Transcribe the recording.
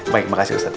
baik makasih ustaz ya